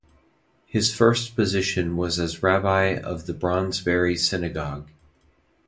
His first position was as rabbi of the Brondesbury synagogue.